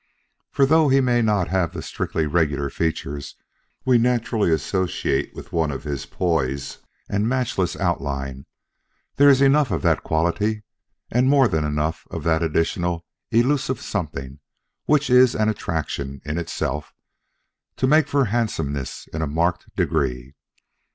For though he may not have the strictly regular features we naturally associate with one of his poise and matchless outline, there is enough of that quality, and more than enough of that additional elusive something which is an attraction in itself, to make for handsomeness in a marked degree.